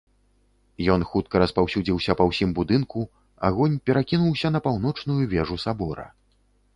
Ён хутка распаўсюдзіўся па ўсім будынку, агонь перакінуўся на паўночную вежу сабора.